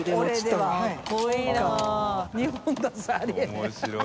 面白い。